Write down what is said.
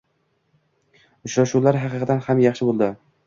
Uchrashuvlar haqiqatdan ham yaxshi boʻldi